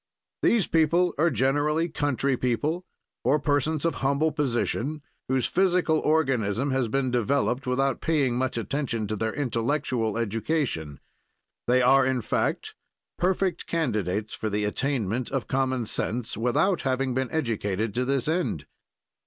These people are generally country people or persons of humble position, whose physical organism has been developed without paying much attention to their intellectual education; they are, in fact, perfect candidates for the attainment of common sense, without having been educated to this end.